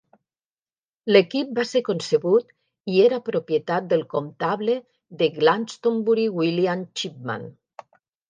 L'equip va ser concebut i era propietat del comptable de Glastonbury William Chipman.